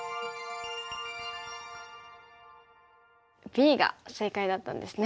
Ｂが正解だったんですね。